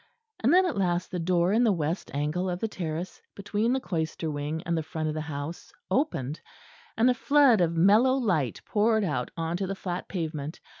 And then at last the door in the west angle of the terrace, between the cloister wing and the front of the house, opened, and a flood of mellow light poured out on to the flat pavement.